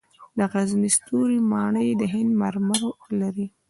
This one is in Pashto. د غزني ستوري ماڼۍ د هند مرمرو لري